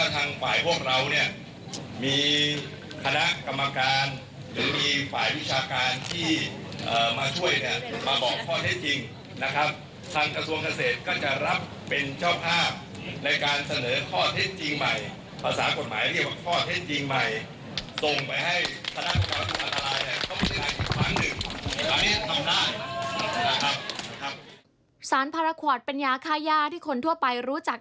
สารพาราคอตเป็นยาค่าย่าที่คนทั่วไปรู้จัก